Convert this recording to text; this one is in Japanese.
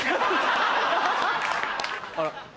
あら。